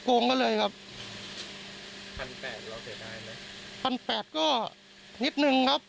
โกงเขาเลยครับพันแปดเราเสียดายไหมพันแปดก็นิดนึงครับ